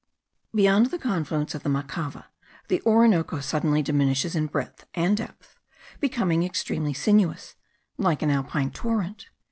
Beyond the confluence of the Macava, the Orinoco suddenly diminishes in breadth and depth, becoming extremely sinuous, like an Alpine torrent.